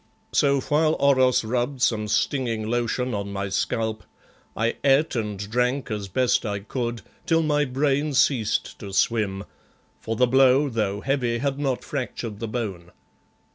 So while Oros rubbed some stinging lotion on my scalp, I ate and drank as best I could till my brain ceased to swim, for the blow, though heavy, had not fractured the bone.